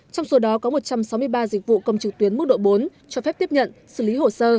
trong số đó có một trăm sáu mươi ba dịch vụ công trực tuyến mức độ bốn cho phép tiếp nhận xử lý hồ sơ